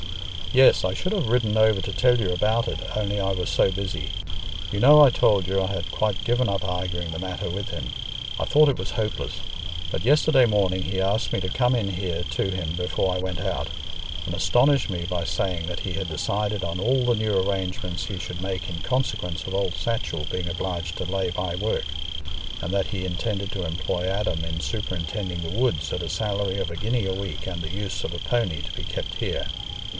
"Yes; I should have ridden over to tell you about it, only I was so busy. You know I told you I had quite given up arguing the matter with him—I thought it was hopeless—but yesterday morning he asked me to come in here to him before I went out, and astonished me by saying that he had decided on all the new arrangements he should make in consequence of old Satchell being obliged to lay by work, and that he intended to employ Adam in superintending the woods at a salary of a guinea a week, and the use of a pony to be kept here.